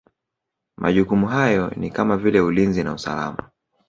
Majukumu hayo ni kama vile Ulinzi na usalama